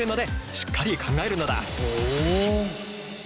しっかり考えるのだ。